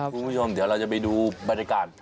คุณผู้ชมเดี๋ยวเราจะไปดูบรรยากาศ